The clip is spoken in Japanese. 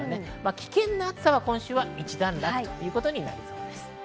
危険な暑さは今週は一段落ということになりそうです。